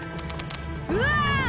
うわ！